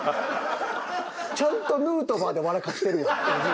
ちゃんとヌートバーで笑かしてるやん。